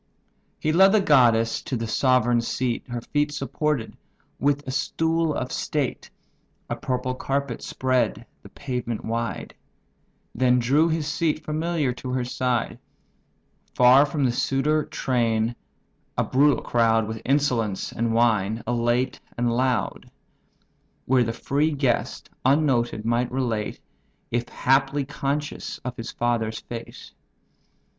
He led the goddess to the sovereign seat, Her feet supported with a stool of state (A purple carpet spread the pavement wide); Then drew his seat, familiar, to her side; Far from the suitor train, a brutal crowd, With insolence, and wine, elate and loud: Where the free guest, unnoted, might relate, If haply conscious, of his father's fate.